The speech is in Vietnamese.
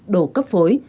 đổ cấp phối